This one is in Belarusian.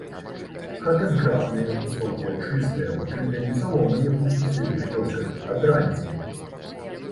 Хаты зграбныя, высокія, чыстыя, пакрытыя не саломай, як у суседніх вёсках, а драніцамі.